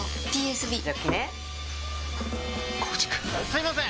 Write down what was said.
すいません！